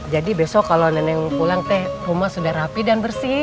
jadi besok kalau nenek pulang teh rumah sudah rapi dan bersih